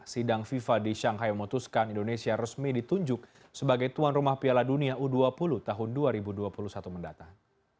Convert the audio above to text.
sidang fifa di shanghai memutuskan indonesia resmi ditunjuk sebagai tuan rumah piala dunia u dua puluh tahun dua ribu dua puluh satu mendatang